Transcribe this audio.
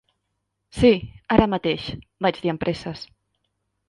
"Sí, ara mateix", vaig dir amb presses.